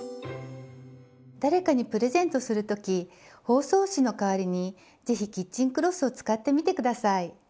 誰かにプレゼントする時包装紙の代わりに是非キッチンクロスを使ってみて下さい。